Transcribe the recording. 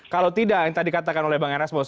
kalau tidak yang tadi katakan oleh bang erasmus